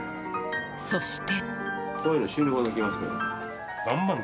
そして。